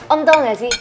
om tau gak sih